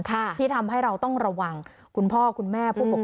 ที่ทำให้เราต้องระวังคุณพ่อคุณแม่ผู้ปกครอง